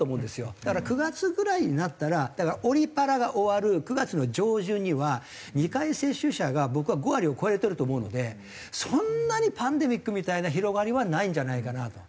だから９月ぐらいになったらだからオリパラが終わる９月の上旬には２回接種者が僕は５割を超えてると思うのでそんなにパンデミックみたいな広がりはないんじゃないかなと。